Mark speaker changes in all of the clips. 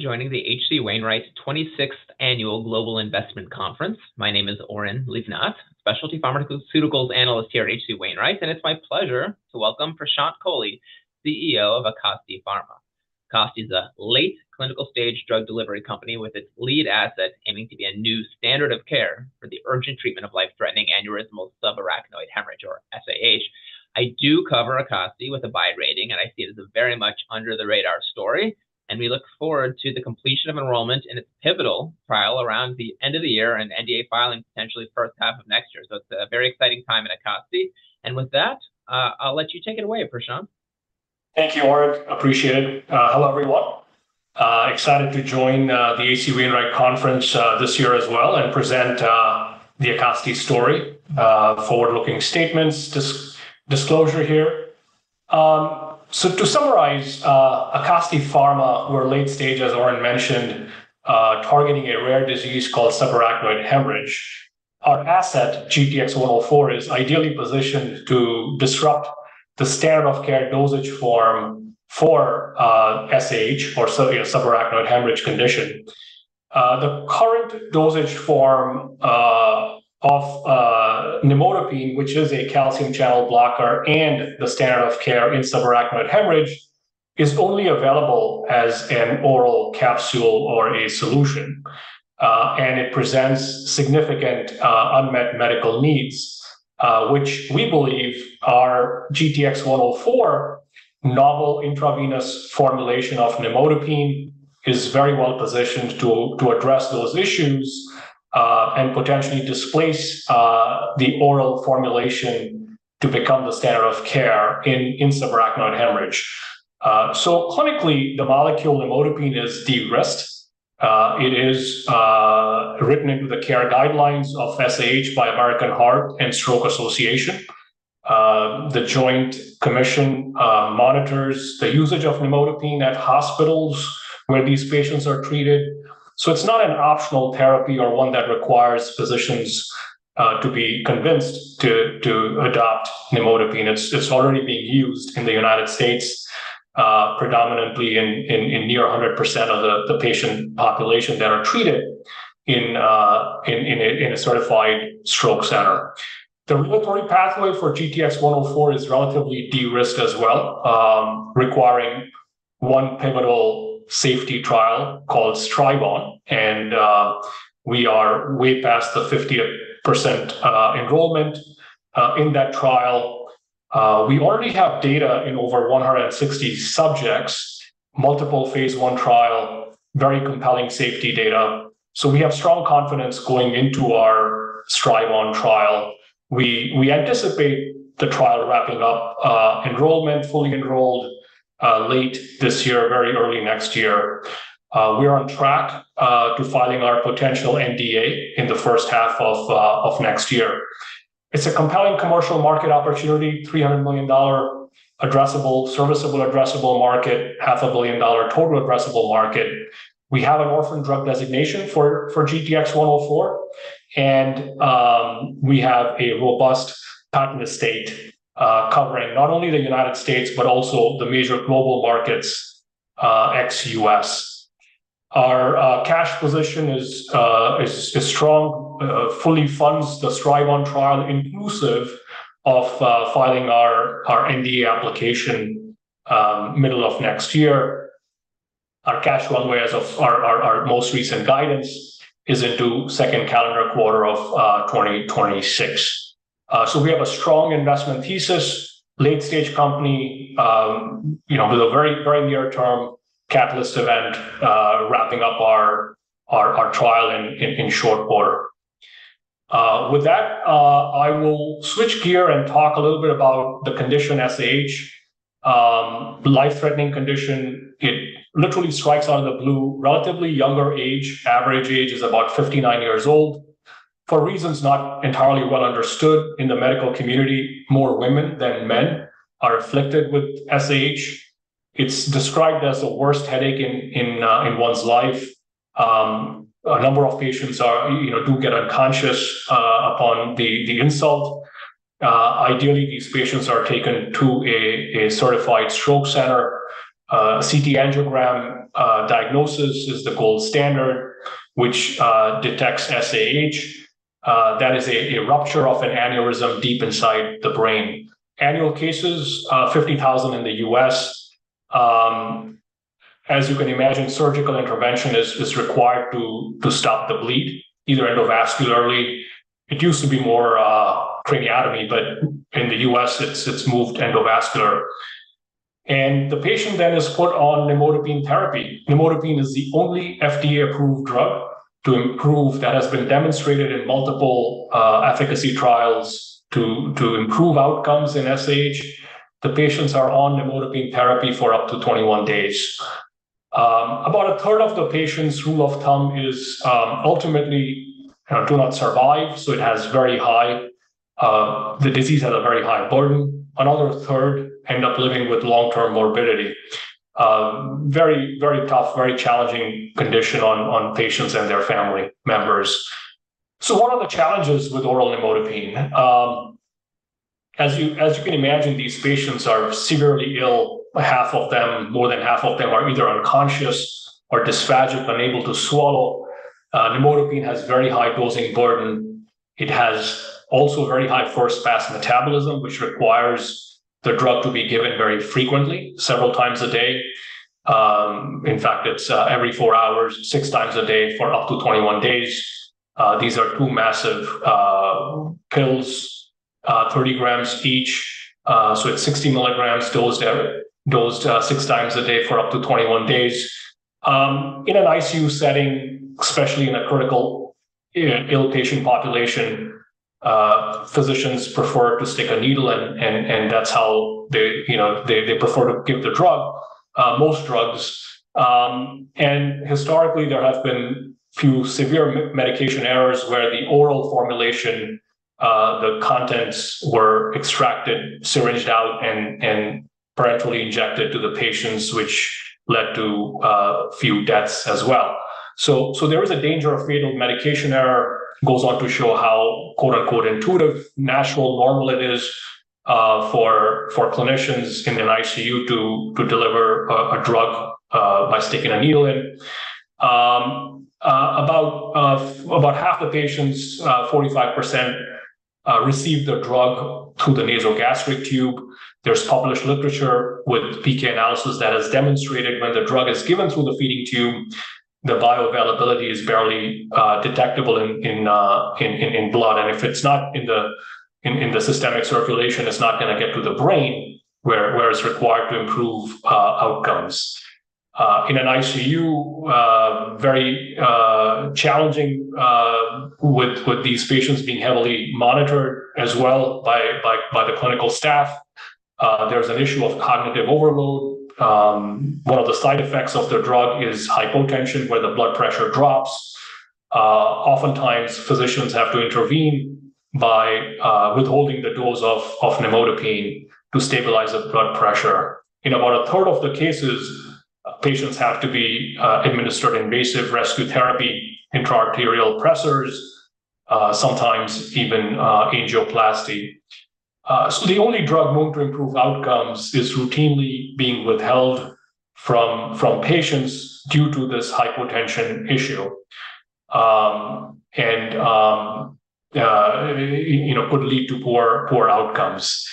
Speaker 1: Hello, and thank you for joining the H.C. Wainwright's twenty-sixth Annual Global Investment Conference. My name is Oren Livnat, Specialty Pharmaceuticals Analyst here at H.C. Wainwright, and it's my pleasure to welcome Prashant Kohli, CEO of Acasti Pharma. Acasti is a late clinical stage drug delivery company, with its lead asset aiming to be a new standard of care for the urgent treatment of life-threatening aneurysmal subarachnoid hemorrhage, or SAH. I do cover Acasti with a buy rating, and I see it as a very much under-the-radar story, and we look forward to the completion of enrollment in its pivotal trial around the end of the year, and NDA filing potentially first half of next year. So it's a very exciting time at Acasti, and with that, I'll let you take it away, Prashant.
Speaker 2: Thank you, Oren. Appreciate it. Hello, everyone. Excited to join the H.C. Wainwright Conference this year as well and present the Acasti story. Forward-looking statements disclosure here. So to summarize, Acasti Pharma, we're late stage, as Oren mentioned, targeting a rare disease called subarachnoid hemorrhage. Our asset, GTX-104, is ideally positioned to disrupt the standard of care dosage form for SAH or subarachnoid hemorrhage condition. The current dosage form of nimodipine, which is a calcium channel blocker and the standard of care in subarachnoid hemorrhage, is only available as an oral capsule or a solution. And it presents significant unmet medical needs, which we believe our GTX-104 novel intravenous formulation of nimodipine is very well positioned to address those issues, and potentially displace the oral formulation to become the standard of care in subarachnoid hemorrhage. So clinically, the molecule nimodipine is de-risked. It is written into the care guidelines of SAH by the American Heart Association and American Stroke Association. The Joint Commission monitors the usage of nimodipine at hospitals where these patients are treated. So it's not an optional therapy or one that requires physicians to be convinced to adopt nimodipine. It's already being used in the United States, predominantly in near 100% of the patient population that are treated in a certified stroke center. The regulatory pathway for GTX-104 is relatively de-risked as well, requiring one pivotal safety trial called STRIVE-ON, and we are way past the 50% enrollment in that trial. We already have data in over 160 subjects, multiple phase 1 trial, very compelling safety data, so we have strong confidence going into our STRIVE-ON trial. We anticipate the trial wrapping up enrollment, fully enrolled, late this year, very early next year. We're on track to filing our potential NDA in the first half of next year. It's a compelling commercial market opportunity, $300 million serviceable addressable market, $500 million total addressable market. We have an orphan drug designation for GTX-104, and we have a robust patent estate covering not only the United States, but also the major global markets ex-US. Our cash position is strong, fully funds the STRIVE-ON trial, inclusive of filing our NDA application middle of next year. Our cash runway as of our most recent guidance is into second calendar quarter of 2026. So we have a strong investment thesis, late-stage company, you know, with a very, very near-term catalyst event, wrapping up our trial in short order. With that, I will switch gear and talk a little bit about the condition SAH. Life-threatening condition, it literally strikes out of the blue, relatively younger age. Average age is about 59 years old. For reasons not entirely well understood in the medical community, more women than men are afflicted with SAH. It's described as the worst headache in one's life. A number of patients are, you know, do get unconscious upon the insult. Ideally, these patients are taken to a certified stroke center. CT angiogram diagnosis is the gold standard, which detects SAH. That is a rupture of an aneurysm deep inside the brain. Annual cases 50,000 in the U.S. As you can imagine, surgical intervention is required to stop the bleed, either endovascularly. It used to be more craniotomy, but in the U.S., it's moved endovascular. The patient then is put on nimodipine therapy. Nimodipine is the only FDA-approved drug to improve that has been demonstrated in multiple efficacy trials to improve outcomes in SAH. The patients are on nimodipine therapy for up to 21 days. About a third of the patients, rule of thumb, is ultimately do not survive, so it has very high, the disease has a very high burden. Another third end up living with long-term morbidity. Very, very tough, very challenging condition on patients and their family members. What are the challenges with oral nimodipine? As you can imagine, these patients are severely ill. Half of them, more than half of them are either unconscious or dysphagic, unable to swallow. Nimodipine has very high dosing burden. It has also very high first-pass metabolism, which requires the drug to be given very frequently, several times a day. In fact, it's every four hours, six times a day for up to twenty-one days. These are two massive pills, 30 milligrams each. So it's 60 milligrams dosed six times a day for up to twenty-one days. In an ICU setting, especially in a critical ill patient population, physicians prefer to stick a needle in, and that's how they, you know, prefer to give the drug, most drugs. Historically, there have been few severe medication errors where the oral formulation, the contents were extracted, syringed out, and parenterally injected to the patients, which led to few deaths as well. So there is a danger of fatal medication error, goes on to show how quote-unquote intuitive, natural, normal it is for clinicians in an ICU to deliver a drug by sticking a needle in. About half the patients, 45%, receive the drug through the nasogastric tube. There's published literature with PK analysis that has demonstrated when the drug is given through the feeding tube, the bioavailability is barely detectable in blood. And if it's not in the systemic circulation, it's not gonna get to the brain, where it's required to improve outcomes. In an ICU, very challenging with these patients being heavily monitored as well by the clinical staff, there's an issue of cognitive overload. One of the side effects of the drug is hypotension, where the blood pressure drops. Oftentimes, physicians have to intervene by withholding the dose of nimodipine to stabilize the blood pressure. In about a third of the cases, patients have to be administered invasive rescue therapy, intra-arterial pressors, sometimes even angioplasty. So the only drug known to improve outcomes is routinely being withheld from patients due to this hypotension issue, and, you know, could lead to poor outcomes.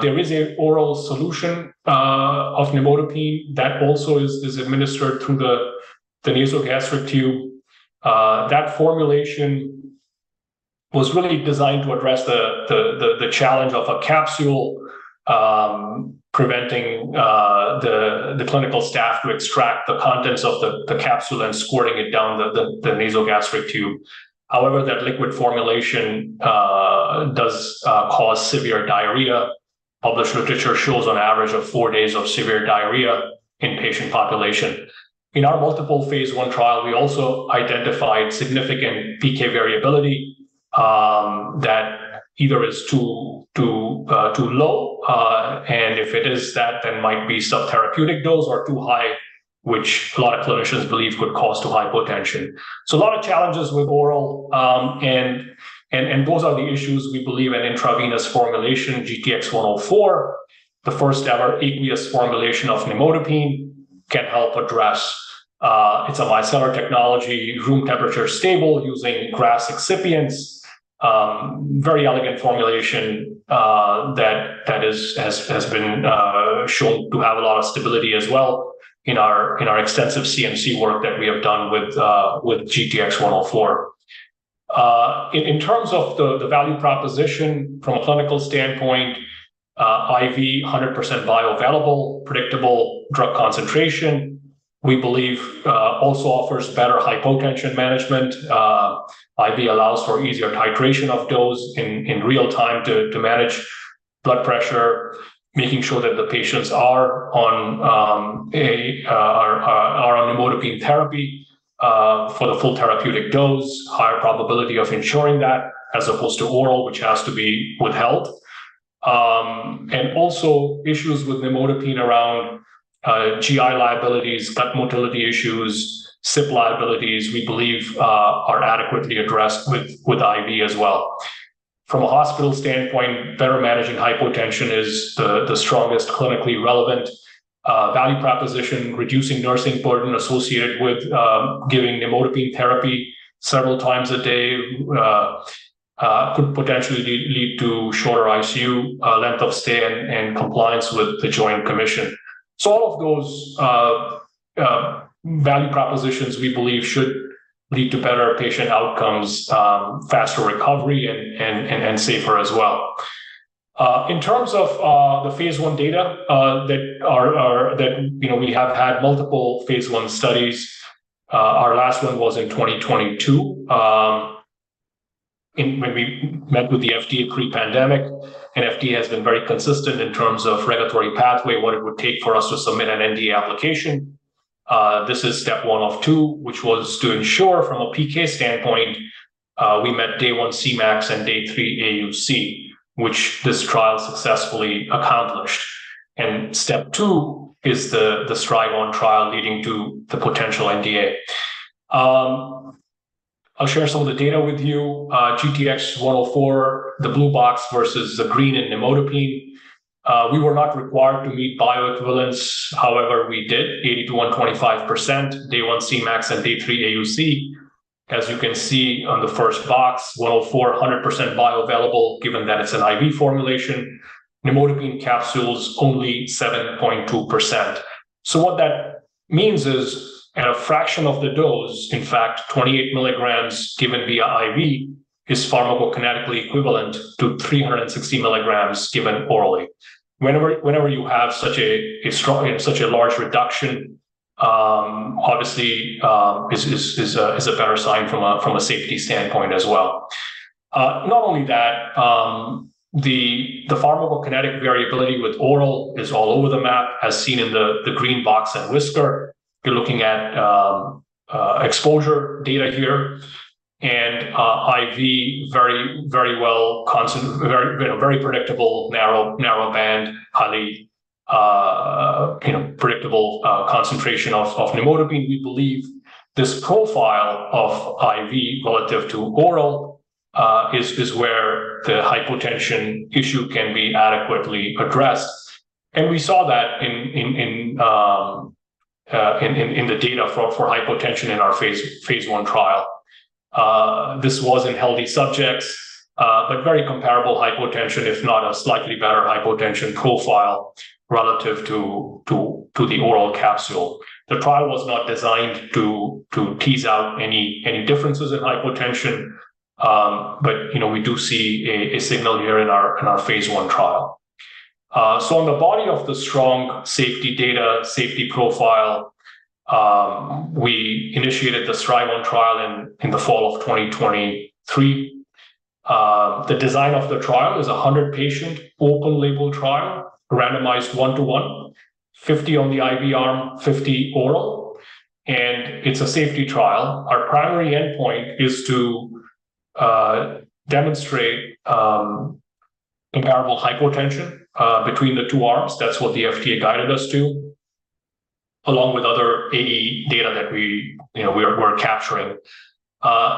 Speaker 2: There is an oral solution of nimodipine that also is administered through the nasogastric tube. That formulation was really designed to address the challenge of a capsule preventing the clinical staff to extract the contents of the capsule and squirting it down the nasogastric tube. However, that liquid formulation does cause severe diarrhea. Published literature shows an average of four days of severe diarrhea in patient population. In our multiple phase I trial, we also identified significant PK variability that either is too low and if it is that, then might be subtherapeutic dose or too high, which a lot of clinicians believe could cause to hypotension. So a lot of challenges with oral and those are the issues we believe an intravenous formulation, GTX-104, the first-ever aqueous formulation of nimodipine, can help address. It's a lyophilized technology, room temperature stable, using GRAS excipients. Very elegant formulation that has been shown to have a lot of stability as well in our extensive CMC work that we have done with GTX-104. In terms of the value proposition from a clinical standpoint, IV 100% bioavailable, predictable drug concentration, we believe, also offers better hypotension management. IV allows for easier titration of dose in real time to manage blood pressure, making sure that the patients are on nimodipine therapy for the full therapeutic dose, higher probability of ensuring that, as opposed to oral, which has to be withheld, and also issues with nimodipine around GI liabilities, gut motility issues, CYP liabilities, we believe, are adequately addressed with IV as well. From a hospital standpoint, better managing hypotension is the strongest clinically relevant value proposition, reducing nursing burden associated with giving nimodipine therapy several times a day, could potentially lead to shorter ICU length of stay and compliance with the Joint Commission. All of those value propositions, we believe, should lead to better patient outcomes, faster recovery and safer as well. In terms of the phase I data that you know we have had multiple phase I studies, our last one was in 2022. When we met with the FDA pre-pandemic, and FDA has been very consistent in terms of regulatory pathway, what it would take for us to submit an NDA application. This is step one of two, which was to ensure from a PK standpoint, we met day one Cmax and day three AUC, which this trial successfully accomplished, and step two is the STRIVE-ON trial leading to the potential NDA. I'll share some of the data with you. GTX-104, the blue box versus the green and nimodipine. We were not required to meet bioequivalence, however, we did 80%-125%, day one Cmax and day three AUC. As you can see on the first box, 104, 100% bioavailable, given that it's an IV formulation. Nimodipine capsule's only 7.2%. So what that means is at a fraction of the dose, in fact, 28 milligrams given via IV, is pharmacokinetically equivalent to 360 milligrams given orally. Whenever you have such a strong, such a large reduction, obviously, is a better sign from a safety standpoint as well. Not only that, the pharmacokinetic variability with oral is all over the map, as seen in the green box and whisker. You're looking at exposure data here, and IV very well constant. Very, you know, very predictable, narrow band, highly, you know, predictable concentration of nimodipine. We believe this profile of IV relative to oral is where the hypotension issue can be adequately addressed. And we saw that in the data for hypotension in our phase 1 trial. This was in healthy subjects, but very comparable hypotension, if not a slightly better hypotension profile relative to the oral capsule. The trial was not designed to tease out any differences in hypotension, but you know, we do see a signal here in our phase 1 trial. So on the body of the strong safety data, safety profile, we initiated the STRIVE-ON trial in the fall of 2023. The design of the trial is a 100-patient, open-label trial, randomized one-to-one, 50 on the IV arm, 50 oral, and it's a safety trial. Our primary endpoint is to demonstrate comparable hypotension between the two arms. That's what the FDA guided us to, along with other AE data that we, you know, we're capturing.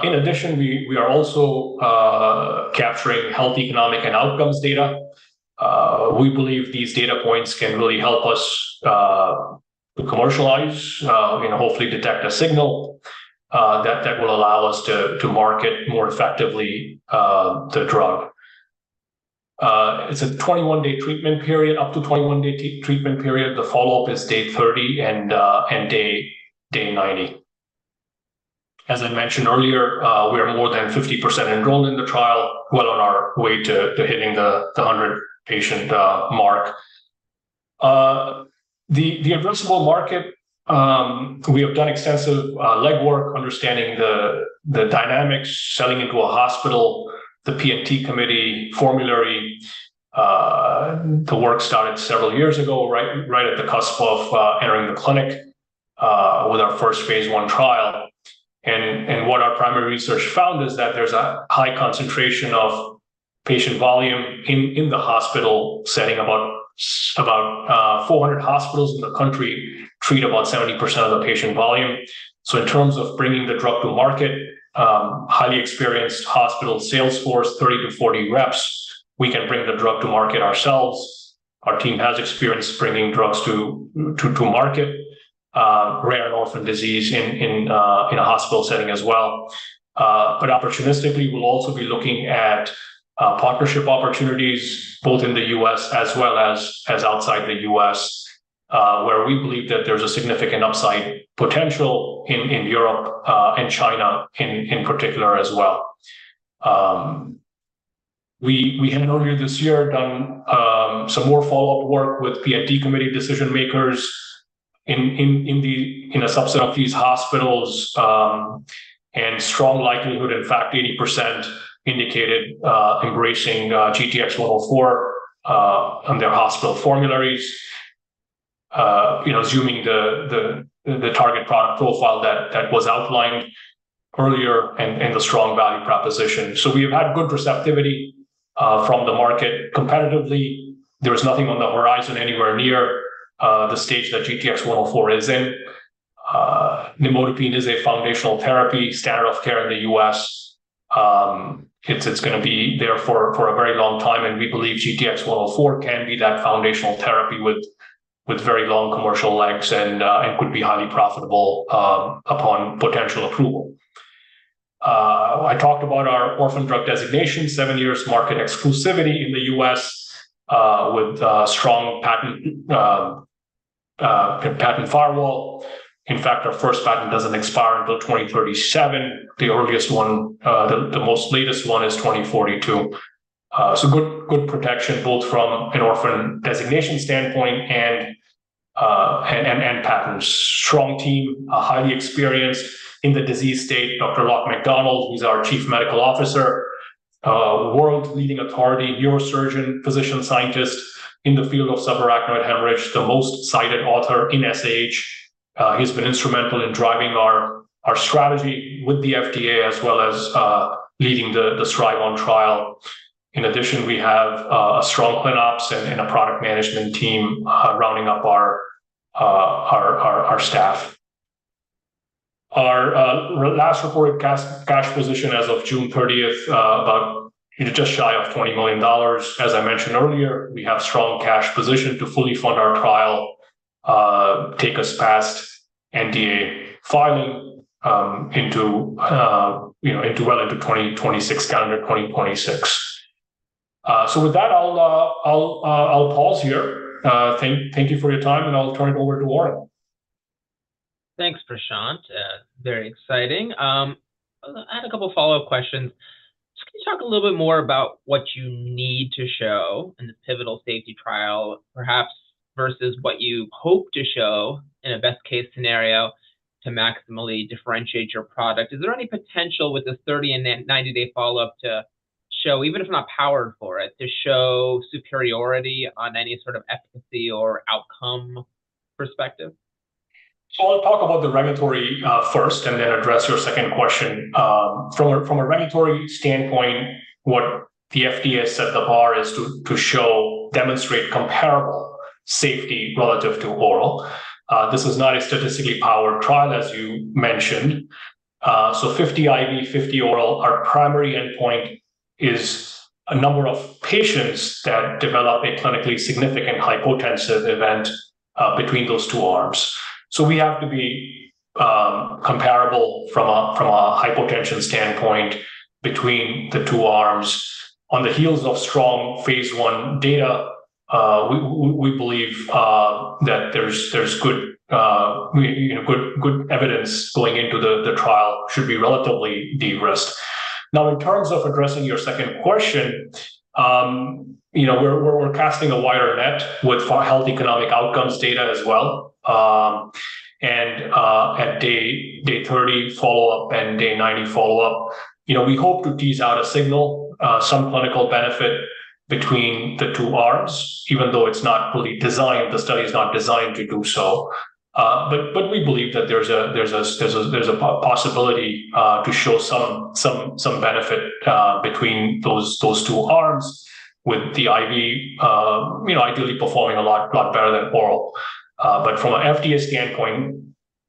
Speaker 2: In addition, we are also capturing health, economic, and outcomes data. We believe these data points can really help us to commercialize and hopefully detect a signal that will allow us to market more effectively the drug. It's a 21-day treatment period, up to 21-day treatment period. The follow-up is day 30 and day 90. As I mentioned earlier, we are more than 50% enrolled in the trial, well on our way to hitting the 100-patient mark. The addressable market, we have done extensive legwork understanding the dynamics, selling into a hospital, the P&T Committee formulary. The work started several years ago, right at the cusp of entering the clinic with our first phase 1 trial. What our primary research found is that there's a high concentration of patient volume in the hospital setting. About 400 hospitals in the country treat about 70% of the patient volume. So in terms of bringing the drug to market, highly experienced hospital sales force, 30-40 reps, we can bring the drug to market ourselves. Our team has experience bringing drugs to market, rare and orphan disease in a hospital setting as well. But opportunistically, we'll also be looking at partnership opportunities, both in the US as well as outside the US, where we believe that there's a significant upside potential in Europe and China in particular as well. We had earlier this year done some more follow-up work with P&T Committee decision-makers in a subset of these hospitals, and strong likelihood, in fact, 80% indicated embracing GTX-104 on their hospital formularies. You know, assuming the target product profile that was outlined earlier and the strong value proposition. So we've had good receptivity from the market. Competitively, there is nothing on the horizon anywhere near the stage that GTX-104 is in. Nimodipine is a foundational therapy, standard of care in the US. It's gonna be there for a very long time, and we believe GTX-104 can be that foundational therapy with very long commercial legs and could be highly profitable upon potential approval. I talked about our orphan drug designation, seven years market exclusivity in the U.S., with a strong patent, patent firewall. In fact, our first patent doesn't expire until 2037. The earliest one, the most latest one is 2042. So good protection, both from an orphan designation standpoint and patents. Strong team, highly experienced in the disease state. Dr. Loch Macdonald, he's our Chief Medical Officer, world's leading authority, neurosurgeon, physician, scientist in the field of subarachnoid hemorrhage, the most cited author in SAH. He's been instrumental in driving our strategy with the FDA as well as leading the STRIVE-ON trial. In addition, we have a strong clin ops and a product management team, rounding up our staff. Our last reported cash position as of June thirtieth, about, you know, just shy of $20 million. As I mentioned earlier, we have strong cash position to fully fund our trial, take us past NDA filing, into, you know, into well into 2026, calendar 2026. So with that, I'll pause here. Thank you for your time, and I'll turn it over to Oren.
Speaker 1: Thanks, Prashant. Very exciting. I had a couple follow-up questions. Can you talk a little bit more about what you need to show in the pivotal safety trial, perhaps versus what you hope to show in a best-case scenario to maximally differentiate your product? Is there any potential with the 30- and then 90-day follow-up to show, even if not powered for it, to show superiority on any sort of efficacy or outcome perspective?
Speaker 2: So I'll talk about the regulatory first, and then address your second question. From a regulatory standpoint, what the FDA set the bar is to show, demonstrate comparable safety relative to oral. This is not a statistically powered trial, as you mentioned. So 50 IV, 50 oral, our primary endpoint is a number of patients that develop a clinically significant hypotensive event between those two arms. We have to be comparable from a hypotension standpoint between the two arms. On the heels of strong phase I data, we believe that there's good, you know, good evidence going into the trial should be relatively de-risked. Now, in terms of addressing your second question, you know, we're casting a wider net with health economic outcomes data as well, and at day 30 follow-up and day 90 follow-up, you know, we hope to tease out a signal, some clinical benefit between the two arms, even though it's not really designed... The study is not designed to do so. But we believe that there's a possibility to show some benefit between those two arms with the IV, you know, ideally performing a lot better than oral. But from an FDA standpoint,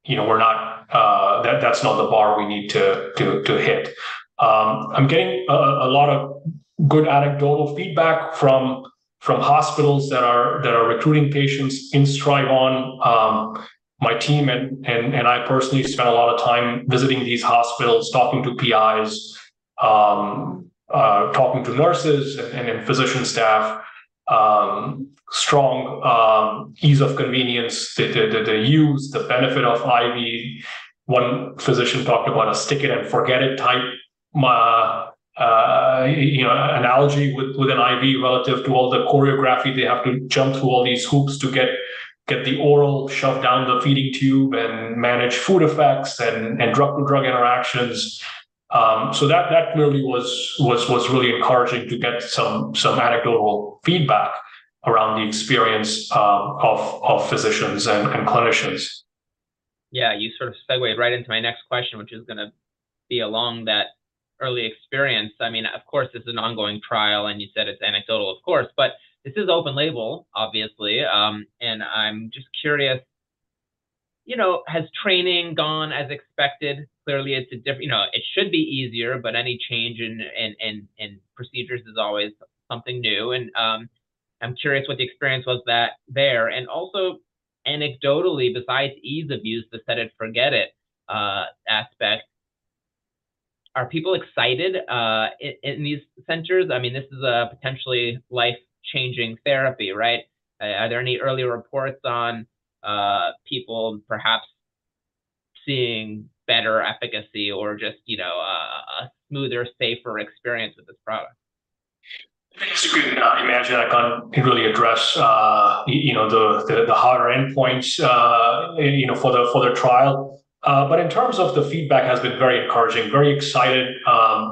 Speaker 2: you know, that's not the bar we need to hit. I'm getting a lot of good anecdotal feedback from hospitals that are recruiting patients in STRIVE-ON. My team and I personally spent a lot of time visiting these hospitals, talking to PIs, talking to nurses and physician staff. Strong ease of convenience. The use, the benefit of IV. One physician talked about a stick-it-and-forget-it type, you know, analogy with an IV relative to all the choreography they have to jump through all these hoops to get the oral shoved down the feeding tube and manage food effects and drug interactions. So that clearly was really encouraging to get some anecdotal feedback around the experience of physicians and clinicians.
Speaker 1: Yeah, you sort of segued right into my next question, which is gonna be along that early experience. I mean, of course, it's an ongoing trial, and you said it's anecdotal, of course, but this is open label, obviously. And I'm just curious, you know, has training gone as expected? Clearly, it should be easier, but any change in procedures is always something new. And I'm curious what the experience was there. And also, anecdotally, besides ease of use, the set-it-and-forget-it aspect, are people excited in these centers? I mean, this is a potentially life-changing therapy, right? Are there any early reports on people perhaps seeing better efficacy or just, you know, a smoother, safer experience with this product?
Speaker 2: It's good. Now, imagine I can't really address, you know, the harder endpoints, you know, for the trial. But in terms of the feedback, has been very encouraging, very excited,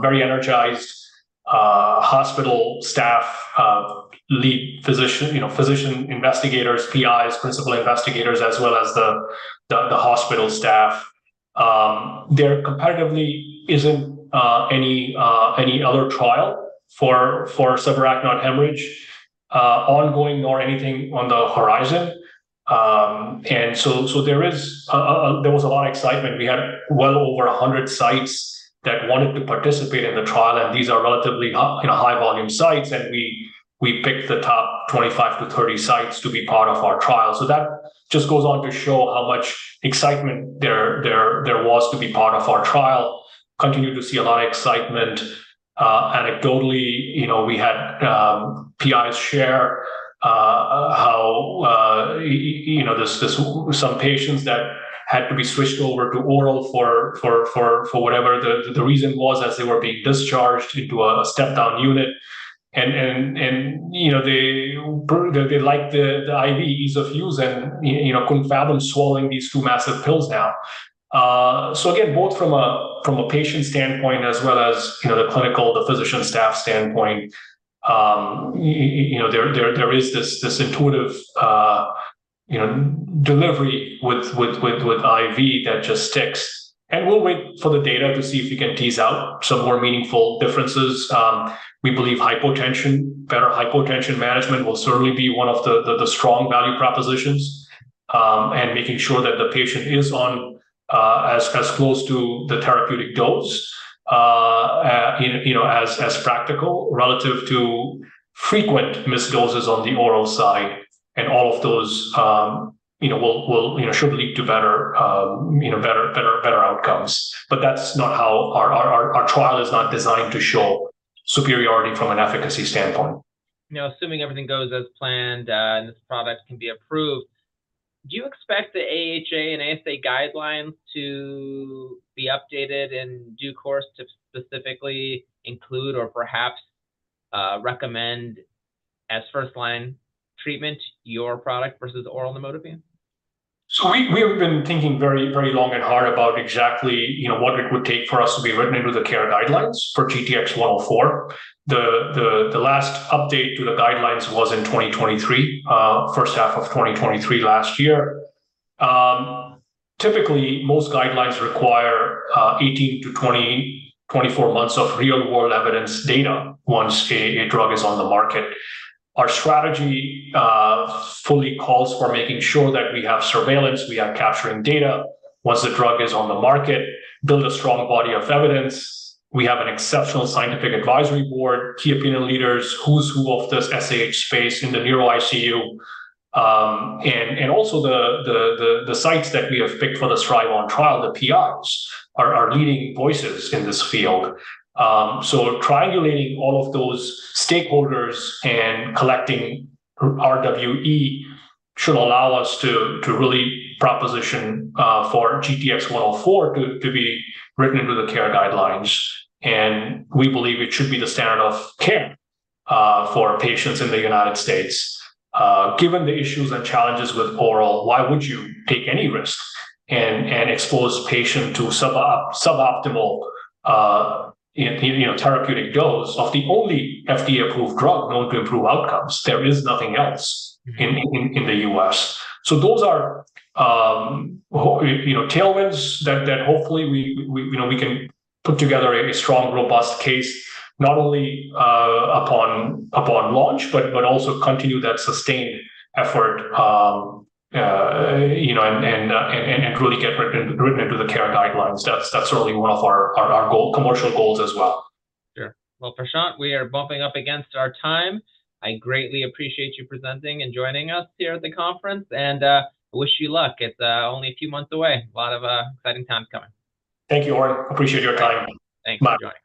Speaker 2: very energized. Hospital staff, lead physician, you know, physician investigators, PIs, principal investigators, as well as the hospital staff. There competitively isn't any other trial for subarachnoid hemorrhage ongoing, nor anything on the horizon. And so, there is a... There was a lot of excitement. We had well over 100 sites that wanted to participate in the trial, and these are relatively, you know, high-volume sites, and we picked the top 25 to 30 sites to be part of our trial. So that just goes on to show how much excitement there was to be part of our trial. Continue to see a lot of excitement. Anecdotally, you know, we had PIs share how you know, there's some patients that had to be switched over to oral for whatever the reason was, as they were being discharged into a step-down unit. And you know, they liked the IV ease of use and, you know, couldn't fathom swallowing these two massive pills now. So again, both from a patient standpoint as well as, you know, the clinical, the physician staff standpoint, you know, there is this intuitive you know, delivery with IV that just sticks. And we'll wait for the data to see if we can tease out some more meaningful differences. We believe hypotension, better hypotension management will certainly be one of the strong value propositions, and making sure that the patient is on as close to the therapeutic dose you know as practical, relative to frequent missed doses on the oral side. And all of those you know will you know should lead to better you know better outcomes. But that's not how our trial is not designed to show superiority from an efficacy standpoint.
Speaker 1: You know, assuming everything goes as planned, and this product can be approved, do you expect the AHA and ASA guidelines to be updated in due course to specifically include or perhaps, recommend as first line treatment, your product versus oral nimodipine?
Speaker 2: So we have been thinking very, very long and hard about exactly, you know, what it would take for us to be written into the care guidelines for GTX-104. The last update to the guidelines was in 2023, first half of 2023 last year. Typically, most guidelines require 18 to 20-24 months of real world evidence data once a drug is on the market. Our strategy fully calls for making sure that we have surveillance, we are capturing data once the drug is on the market, build a strong body of evidence. We have an exceptional Scientific Advisory Board, key opinion leaders, who's who of this SAH space in the neuro ICU. The sites that we have picked for the trial, our trial, the PIs are leading voices in this field. So triangulating all of those stakeholders and collecting RWE should allow us to really proposition for GTX-104 to be written into the care guidelines, and we believe it should be the standard of care for patients in the United States. Given the issues and challenges with oral, why would you take any risk and expose patient to suboptimal, you know, therapeutic dose of the only FDA-approved drug known to improve outcomes? There is nothing else in the US, so those are, you know, tailwinds that hopefully we, you know, we can put together a strong, robust case, not only upon launch, but also continue that sustained effort, you know, and really get written into the care guidelines. That's certainly one of our commercial goals as well.
Speaker 1: Sure. Well, Prashant, we are bumping up against our time. I greatly appreciate you presenting and joining us here at the conference, and I wish you luck. It's only a few months away. A lot of exciting times coming.
Speaker 2: Thank you, Oren. Appreciate your time.
Speaker 1: Thanks for joining.